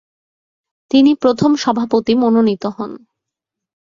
তিনি প্রথম সভাপতি মনোনীত হন।